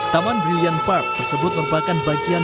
taman brilliant park tersebut merupakan bagian